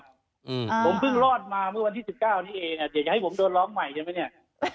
ผมเพิ่งรอดมาเมื่อวันที่สิบเก้านี้เองอ่ะเดี๋ยวจะให้ผมโดนร้องใหม่ใช่ไหมเนี่ย